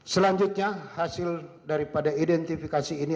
selanjutnya hasil daripada identifikasi ini